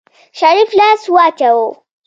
شريف لاس واچوه.